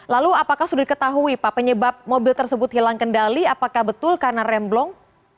lalu apakah sudah diketahui pak penyebab mobil tersebut hilang kendali apakah betul karena remblong